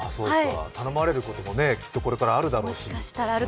頼まれることも、これからきっとあるだろうし。